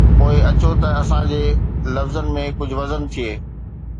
پوءِ اچو ته اسان جي لفظن ۾ ڪجهه وزن ٿئي.